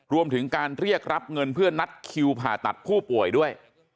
รวมถึงการเรียกรับเงินเพื่อนัดคิวผ่าตัดผู้ป่วยด้วย